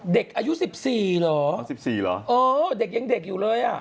เด็กอายุ๑๔หรอโอ้เด็กยังเด็กอยู่เลย